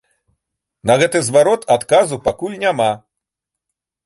На гэты зварот адказу пакуль няма.